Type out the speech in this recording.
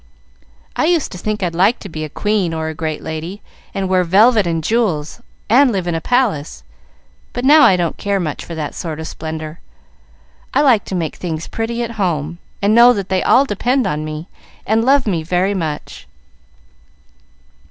"I used to think I'd like to be a queen or a great lady, and wear velvet and jewels, and live in a palace, but now I don't care much for that sort of splendor. I like to make things pretty at home, and know that they all depend on me, and love me very much.